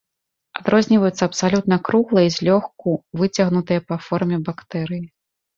Адрозніваюць абсалютна круглыя і злёгку выцягнутыя па форме бактэрыі.